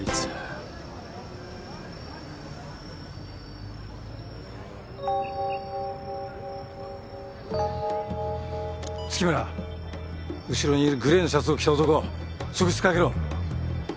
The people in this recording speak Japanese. ピピッ月村後ろにいるグレーのシャツを着た男職質かけろ。